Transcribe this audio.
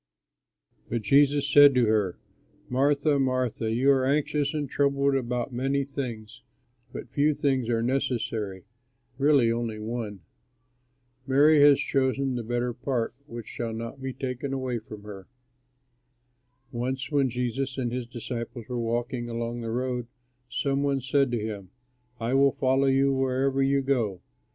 But Jesus said to her, "Martha, Martha, you are anxious and troubled about many things, but few things are necessary, really only one. Mary has chosen the better part, which shall not be taken away from her." Once when Jesus and his disciples were walking along the road, some one said to him, "I will follow you wherever you go."